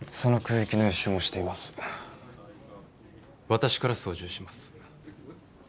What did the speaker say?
私から操縦します。